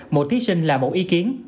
một thí sinh là một ý kiến